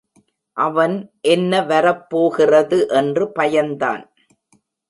அவன் என்ன வரப்போகிறது என்று பயந்தான்.